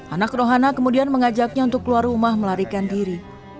anak rohana kemudian mengajaknya untuk keluar rumah melarikan diri